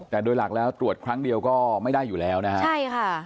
แต่โดยหลักแล้วตรวจครั้งเดียวก็ไม่ได้อยู่แล้วนะฮะใช่ค่ะ